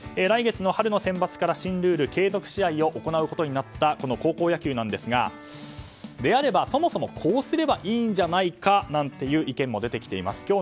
来月の春のセンバツから新ルール、継続試合を行うことになった高校野球なんですがであれば、そもそもこうすればいいんじゃないかという意見も出てきています。